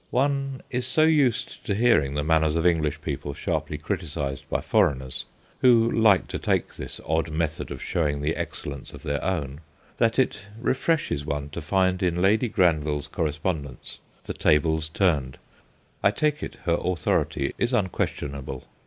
One is so used to hearing the manners of English people sharply criticised by foreigners who like to take this odd method of showing the excellence of their own that it refreshes one to find in Lady Granville's correspon dence the tables turned. I take it, her authority is unquestionable.